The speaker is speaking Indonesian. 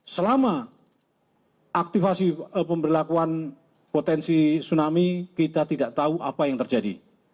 selama aktifasi pemberlakuan potensi tsunami kita tidak tahu apa yang terjadi